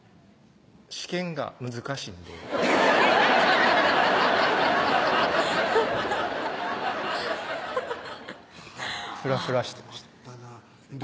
試験が難しいんではぁフラフラしてましたで？